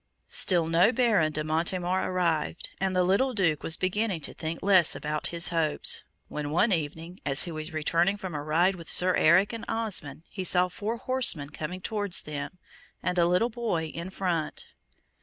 Still no Baron de Montemar arrived, and the little Duke was beginning to think less about his hopes, when one evening, as he was returning from a ride with Sir Eric and Osmond, he saw four horsemen coming towards them, and a little boy in front.